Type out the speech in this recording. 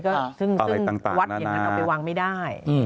อะไรต่างนานาซึ่งวัดอย่างนั้นเอาไปวางไม่ได้